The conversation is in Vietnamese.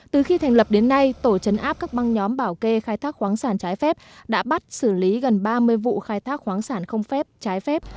từ khi thành lập đến nay tổ chấn áp các băng nhóm bảo kê khai thác khoáng sản trái phép đã bắt xử lý gần ba mươi vụ khai thác khoáng sản không phép trái phép